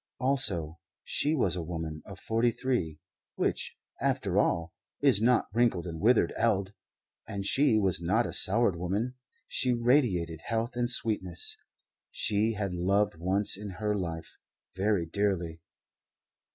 Also, she was a woman of forty three, which, after all, is not wrinkled and withered eld; and she was not a soured woman; she radiated health and sweetness; she had loved once in her life, very dearly.